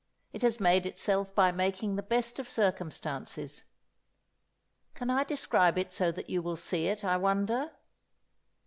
It has made itself by making the best of circumstances. Can I describe it so that you will see it, I wonder?